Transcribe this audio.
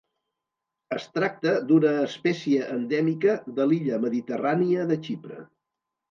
Es tracta d'una espècie endèmica de l'illa mediterrània de Xipre.